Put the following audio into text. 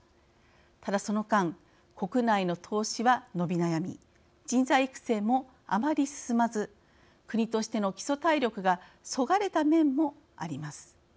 ただその間国内の投資は伸び悩み人材育成もあまり進まず国としての基礎体力がそがれた面もあります。